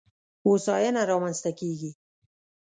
هوساینه رامنځته کېږي.